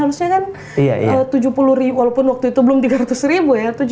harusnya kan tujuh puluh ribu walaupun waktu itu belum tiga ratus ribu ya